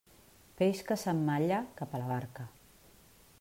Peix que s'emmalla, cap a la barca.